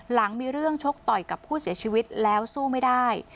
หลังมีเรื่องชกต่อยกับผู้เสียชีวิตแล้วสู้ไม่ได้